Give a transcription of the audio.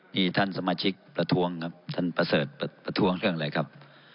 นี่ท่านสมาชิกประท้วงครับท่านประเสริฐประท้วงเรื่องอะไรครับ